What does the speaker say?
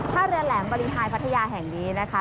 ท่าเรือแหลมบริหายพัทยาแห่งนี้นะคะ